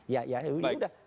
ya ya yaudah